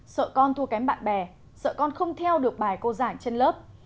sợ con thua kém bạn bè sợ con không theo được bài cô giảng trên lớp